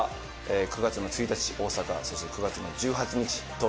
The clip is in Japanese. ９月の１日大阪そして９月の１８日東京でやります。